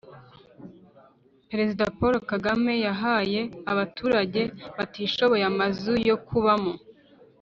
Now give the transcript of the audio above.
Perezida Paulo kagame yahaye abaturage batishoboye amazu yo kubamo